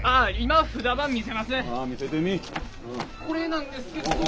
これなんですけど。